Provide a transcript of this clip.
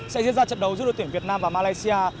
sẽ diễn ra trận đấu giữa đội tuyển việt nam và malaysia